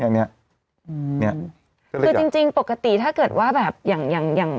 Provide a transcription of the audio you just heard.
อย่างเนี้ยอืมเนี้ยคือจริงจริงปกติถ้าเกิดว่าแบบอย่างอย่างอย่าง